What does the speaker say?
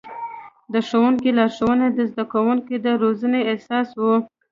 د ښوونکي لارښوونې د زده کوونکو د روزنې اساس و.